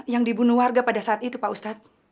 yang dibunuh warga pada saat itu pak ustadz